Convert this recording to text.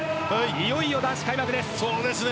いよいよ男子開幕です。